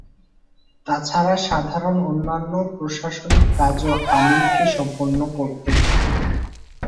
তাছাড়া সাধারন অন্যান্য প্রশাসনিক কাজও আমিলকে সম্পন্ন করতে হতো।